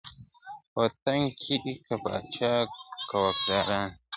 په وطن کي که پاچا که واکداران دي !.